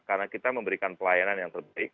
karena kita memberikan pelayanan yang terbaik